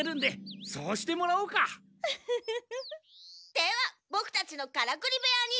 ではボクたちのカラクリ部屋に。